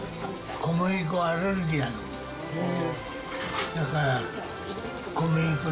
小麦粉アレルギーなの。